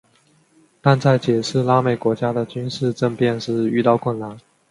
但在解释拉美国家的军事政变时遇到困难。